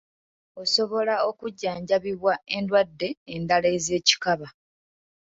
Osobola okujjanjabibwa endwadde endala ez’ekikaba.